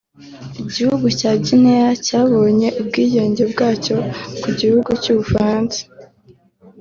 Igihugu cya Guinea cyabonye ubwigenge bwacyo ku gihugu cy’ubufaransa